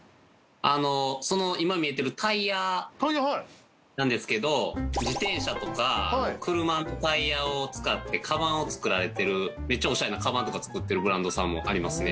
その今見えてるタイヤなんですけど自転車とか車のタイヤを使ってカバンを作られてるめっちゃオシャレなカバンとか作ってるブランドさんもありますね。